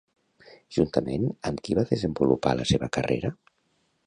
Juntament amb qui va desenvolupar la seva carrera?